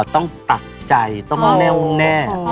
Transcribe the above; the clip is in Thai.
ต้องตัดใจต้องแน่วแน่